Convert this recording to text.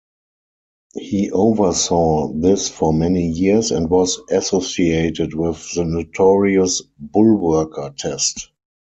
He oversaw this for many years and was associated with the notorious 'bullworker test'.